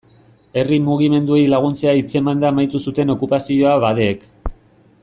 Herri mugimenduei laguntzea hitzemanda amaitu zuten okupazioa abadeek.